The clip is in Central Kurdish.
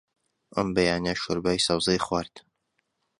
ئەم بەیانییە شۆربای سەوزەی خوارد.